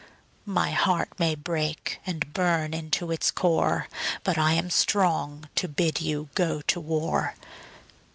My heart may break and burn into its core, But I am strong to bid you go to war.